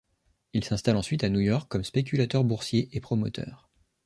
Il s'installe ensuite à New York comme spéculateur boursier et promoteur.